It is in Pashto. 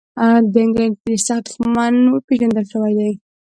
د انګلینډ ډېر سخت دښمن پېژندل شوی دی.